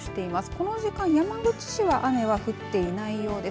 この時間、山口市は雨は降っていないようです。